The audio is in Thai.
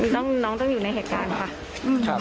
น้องต้องอยู่ในเหตุการณ์ค่ะ